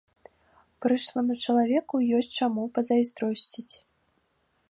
Прышламу чалавеку ёсць чаму пазайздросціць.